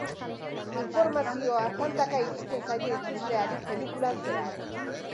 Informazioa tantaka iristen zaio ikusleari pelikulan zehar.